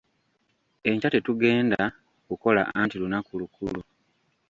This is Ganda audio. Enkya tetugenda kukola anti lunaku lukulu.